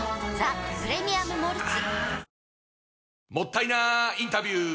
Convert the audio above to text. あーもったいなインタビュー！